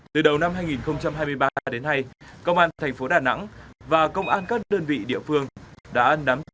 từ đầu năm hai nghìn hai mươi ba đến nay công an thành phố đà nẵng và công an các đơn vị địa phương đã nắm giữ